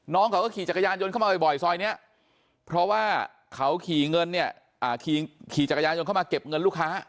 น้องเขาก็ขี่จักรยานยนต์เข้ามาบ่อยซอยนี้เพราะว่าเขาขี่เงินเนี่ยขี่จักรยานยนต์เข้ามาเก็บเงินลูกค้า